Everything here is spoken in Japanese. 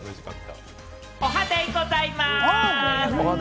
おはデイございます！